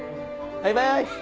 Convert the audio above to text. バイバイ。